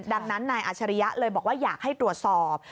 ดังนั้นนายอาชริยะเลยบอกว่าอยากให้ตรวจสอบ